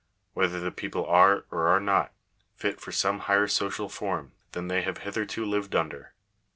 — whether the people are, or are not, fit for some higher social form than they have hitherto lived under